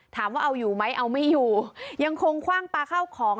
ถามว่าเอาอยู่ไหมเอาไม่อยู่ยังคงคว่างปลาเข้าของ